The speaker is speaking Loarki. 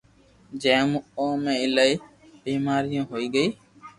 جي مون او ۾ ايلائي بآماريو آوي گئي